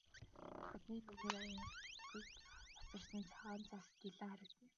Хадны нөмөр ангалд хоцорсон цагаан цас гялайн харагдана.